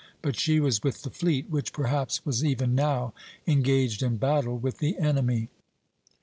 but she was with the fleet, which perhaps was even now engaged in battle with the enemy.